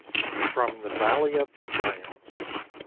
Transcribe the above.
FROM ''THE VALLEY OF THE GIANTS."